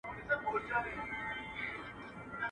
o وږی راغئ، تږی ئې و غووی، زولخوږی راغی دواړه ئې و غوول.